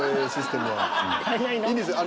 いいんですよ。